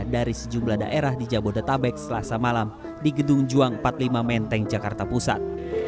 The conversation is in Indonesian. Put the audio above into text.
dari sejumlah daerah di jabodetabek selasa malam di gedung juang empat puluh lima menteng jakarta pusat